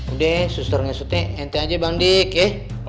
udah susur nge sotnya ngenti aja bangdik ya